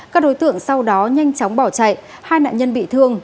các đối tượng sau đó nhanh chóng bỏ chạy hai nạn nhân bị thương